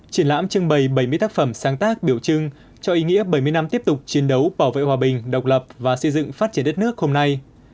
triển lãm trưng bày bảy mươi tác phẩm sáng tác biểu trưng cho ý nghĩa bảy mươi năm tiếp tục chiến đấu bảo vệ hòa bình độc lập và xây dựng phát triển đất nước hôm nay